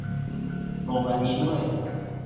งงอันนี้ด้วย